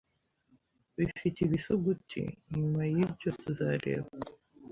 bifite ibisuguti. Nyuma y'ibyo, tuzareba. ”